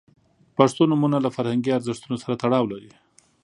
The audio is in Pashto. • پښتو نومونه له فرهنګي ارزښتونو سره تړاو لري.